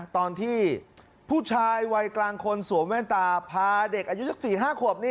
ตอนที่ผู้ชายวัยกลางคนสวมแว่นตาพาเด็กอายุสัก๔๕ขวบ